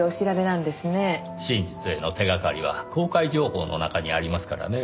真実への手がかりは公開情報の中にありますからねぇ。